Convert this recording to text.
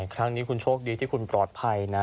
ครั้งนี้คุณโชคดีที่คุณปลอดภัยนะ